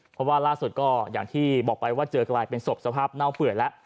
เพราะว่าล่าสุดก็อย่างที่บอกไปว่าเจอกลายเป็นศพสภาพเน่าเปื่อยแล้ว